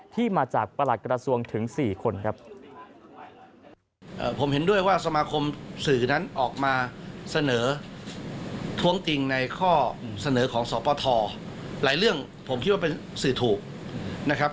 ที่มาจากประหลัดกระทรวงถึง๔คนครับ